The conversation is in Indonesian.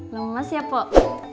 lumes ya pok